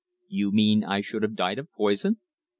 "You mean I should have died of poison?"